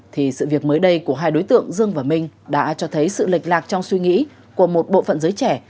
thì sự việc mới đây của hai đối tượng dương và minh đã cho thấy sự lệch lạc trong suy nghĩ của một bộ phận giới trẻ